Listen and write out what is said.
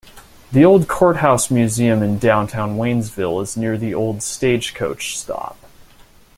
The Old Courthouse Museum in downtown Waynesville is near the Old Stagecoach Stop.